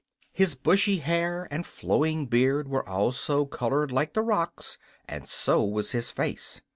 His bushy hair and flowing beard were also colored like the rocks, and so was his face.